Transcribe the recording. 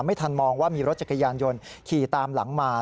ไม่ทันมองว่ามีรถจักรยานยนต์ขี่ตามหลังมา